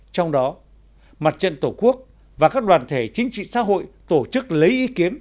trong đó mặt trận tổ quốc và các đoàn thể chính trị xã hội tổ chức lấy ý kiến